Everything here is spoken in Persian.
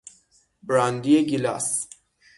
براندی گیلاس